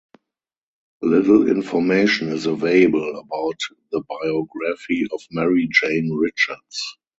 Little information is available about the biography of Mary Jane Richards.